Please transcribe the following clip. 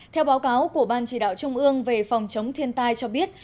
theo báo cáo của ban chỉ đạo trung ương về phòng chống thiên tai cho biết